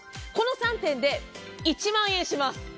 この３点で１万円します。